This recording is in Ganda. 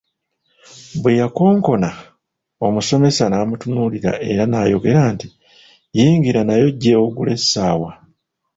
Bwe yakonkona, omusomesa n’amutunuulira era n’ayogera nti “Yingira naye ojje ogule essaawa”.